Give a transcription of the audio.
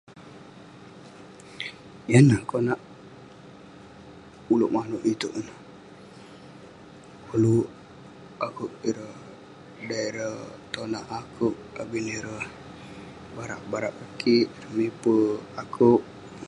Yan neh konak ulouk manouk itouk ineh, koluk akouk ireh- dan ireh tonak akouk abin ireh barak barak ngan kik, miper akouk.